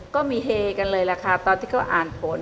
ก็มีเฮกันเลยล่ะค่ะตอนที่เขาอ่านผล